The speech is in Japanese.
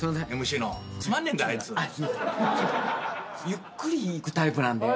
ゆっくりいくタイプなんで。